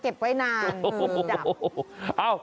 เฮ้ยโหหูโห